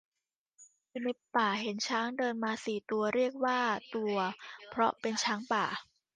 อยู่ในป่า เห็นช้างเดินมาสี่ตัว เรียกว่าตัวเพราะเป็นช้างป่า